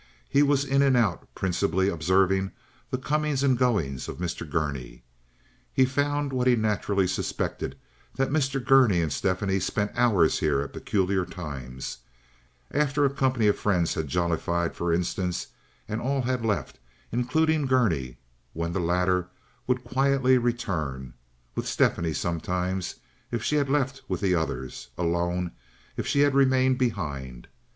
He was in and out, principally observing the comings and goings of Mr. Gurney. He found what he naturally suspected, that Mr. Gurney and Stephanie spent hours here at peculiar times—after a company of friends had jollified, for instance, and all had left, including Gurney, when the latter would quietly return, with Stephanie sometimes, if she had left with the others, alone if she had remained behind.